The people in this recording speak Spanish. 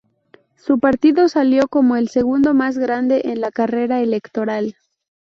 Su partido salió como el segundo más grande en la carrera electoral.